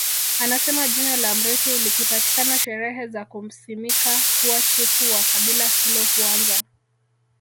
Anasema jina la mrithi likipatikana sherehe za kumsimika kuwa Chifu wa kabila hilo huanza